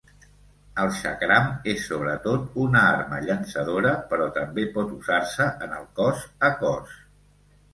El xakram és sobretot una arma llançadora però també pot usar-se en el cos a cos.